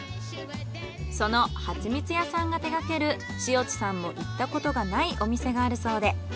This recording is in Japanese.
そのはちみつ屋さんが手がける塩地さんも行ったことがないお店があるそうで。